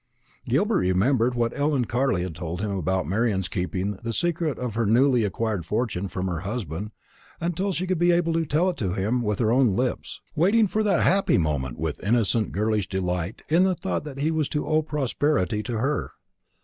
Gilbert remembered what Ellen Carley had told him about Marian's keeping the secret of her newly acquired fortune from her husband, until she should be able to tell it to him with her own lips; waiting for that happy moment with innocent girlish delight in the thought that he was to owe prosperity to her.